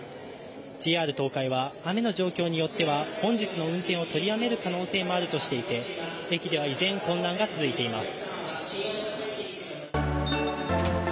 ＪＲ東海は雨の状況によっては本日の運転を取りやめる可能性もあるとしていて駅では依然混乱が続いています。